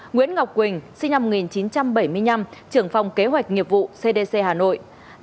nguyễn ngọc quỳnh sinh năm một nghìn chín trăm bảy mươi năm trưởng phòng kế hoạch nghiệp vụ cdc hà nội